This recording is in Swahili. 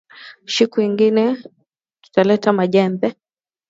Shiku ingine tutaleta ma jembe